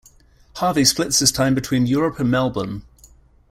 Harvey splits his time between Europe and Melbourne.